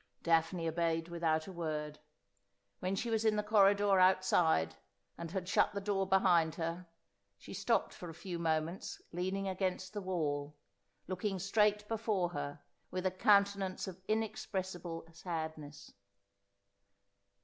Daphne obeyed without a word. When she was in the cor ridor outside, and had shut the door behind her, she stopped for a few moments leaning against the wall, looking straight before her with a countenance of inexpressible sadness.